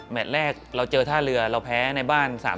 แรกเราเจอท่าเรือเราแพ้ในบ้าน๓๐